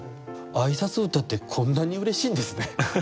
挨拶歌ってこんなにうれしいんですね。